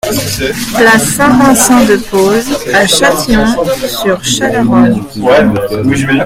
Place Saint-Vincent de Paul à Châtillon-sur-Chalaronne